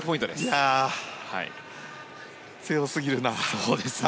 いやあ、強すぎるな。